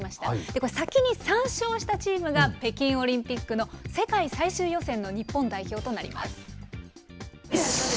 これ、先に３勝したチームが、北京オリンピックの世界最終予選の日本代表となります。